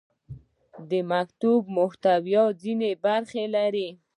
د مکتوب محتویات ځینې برخې لري.